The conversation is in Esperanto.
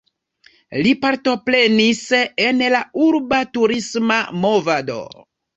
Li partoprenis en la urba turisma movado.